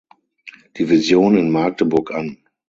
Division in Magdeburg an.